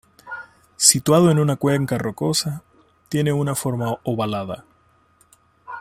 Situado en una cuenca rocosa, tiene una forma ovalada.